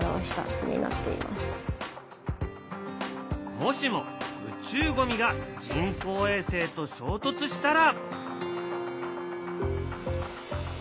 もしも宇宙ゴミが人工衛星と衝突したら。